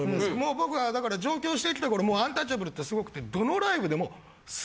僕が上京して来た頃もうアンタッチャブルって凄くてどのライブでも。